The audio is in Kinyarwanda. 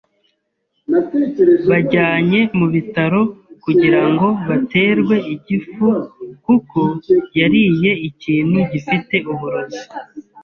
Bajyanye mu bitaro kugira ngo baterwe igifu kuko yariye ikintu gifite uburozi.